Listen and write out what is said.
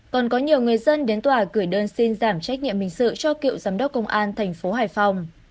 còn có nhiều người dân đến tòa gửi đơn xin giảm trách nhiệm bình sự cho cựu giám đốc công an tp hải phòng